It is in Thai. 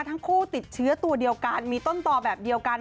ทั้งคู่ติดเชื้อตัวเดียวกันมีต้นต่อแบบเดียวกัน